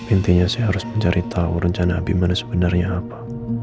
intinya saya harus mencari tahu rencana abimana sebenarnya apa